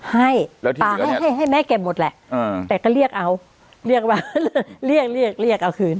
ให้ป่าให้แม่เก็บหมดแหละแต่ก็เรียกเอาเรียกเอาคืน